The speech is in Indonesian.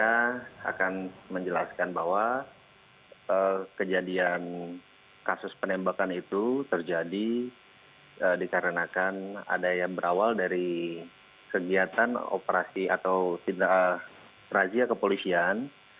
kita akan menjelaskan bahwa kejadian kasus penembakan itu terjadi dikarenakan ada yang berawal dari kegiatan operasi atau razia kepolisian